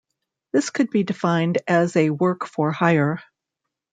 This could be defined as a Work for hire.